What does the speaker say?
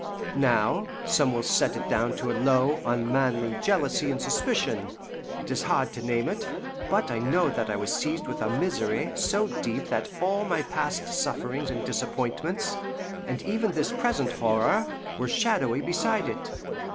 Now, some will set it down to a low, unmanly jealousy and suspicion; it is hard to name it, but I know that I was seized with a misery so deep that all my past sufferings and disappointments, and even this present horror were shadowy beside it.